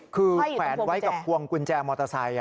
คือแขวนไว้กับพวงกุญแจมอเตอร์ไซค์